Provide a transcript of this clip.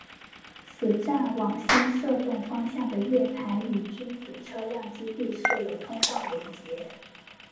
此站往新设洞方向的月台与君子车辆基地设有通道连结。